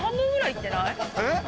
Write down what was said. えっ！